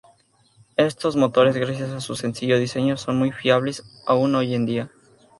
Estos motores, gracias a su sencillo diseño, son muy fiables aún hoy día.